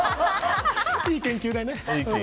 いい研究だね。